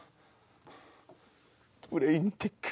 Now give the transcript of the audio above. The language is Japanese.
ブレインテック。